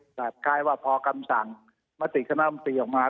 แบบคล้ายว่าพอกำสั่งมาติดสนามตีออกมา